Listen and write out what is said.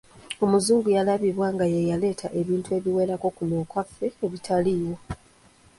Omuzungu yalabibwa ng’eyaleeta ebintu ebiwerako kuno okwaffe ebitaaliwo.